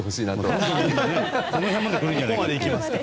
胸の辺りまで来るんじゃないかって。